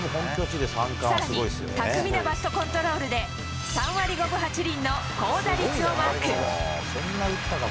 さらに、巧みなバットコントロールで、３割５分８厘の高打率をマーク。